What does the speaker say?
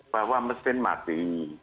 bahwa mesin mati